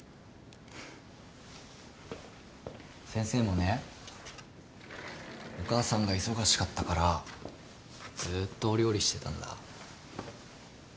先生もねお母さんが忙しかったからずっとお料理してたんだ。